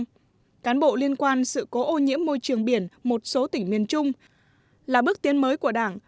các cán bộ liên quan sự cố ô nhiễm môi trường biển một số tỉnh miền trung là bước tiến mới của đảng